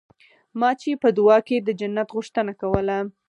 ما چې په دعا کښې د جنت غوښتنه کوله.